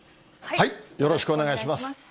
よろしくお願いします。